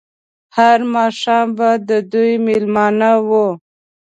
هر ماښام به د دوی مېلمانه وو.